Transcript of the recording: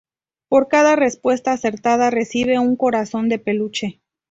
Por cada respuesta acertada, reciben un corazón de peluche.